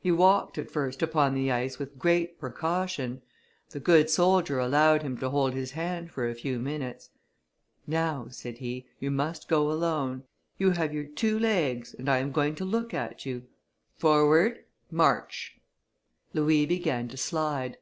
He walked at first upon the ice with great precaution; the good soldier allowed him to hold his hand for a few minutes. "Now," said he, "you must go alone. You have your two legs, and I am going to look at you. Forward, march!" Louis began to slide.